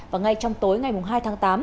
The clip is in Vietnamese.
và ngay trong tối ngày hai tháng tám